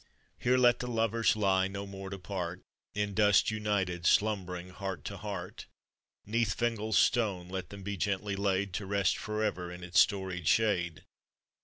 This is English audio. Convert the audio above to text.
Here let the lovers lie, no more to part, In dust united, slumbering heart to heart; 'Neath Fingal's stone let them be gently laid, To rest forever in its storied shade.